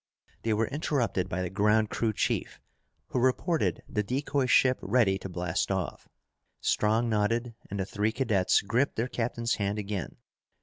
They were interrupted by the ground crew chief who reported the decoy ship ready to blast off. Strong nodded and the three cadets gripped their captain's hand again.